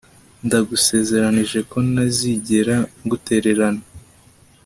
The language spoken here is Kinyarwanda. ndagusezeranije ko ntazigera ngutererana